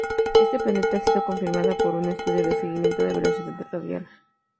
Este planeta ha sido confirmada por un estudio de seguimiento de velocidad radial.